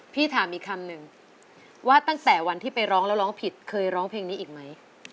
พี่ถามอีกคำนึงว่าตั้งแต่วันที่ไปร้องแล้วร้องผิดเคยร้องเพลงนี้อีกไหม